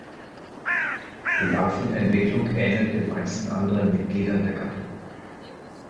Die Larvenentwicklung ähnelt den meisten anderen Mitgliedern der Gattung.